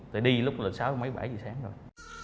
tôi đi lúc là sáu mấy bảy giờ sáng rồi